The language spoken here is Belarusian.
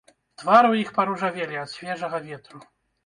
Твары ў іх паружавелі ад свежага ветру.